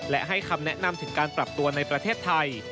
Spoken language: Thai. และให้คำแนะนำถึงการปรับตัวในประเทศไทย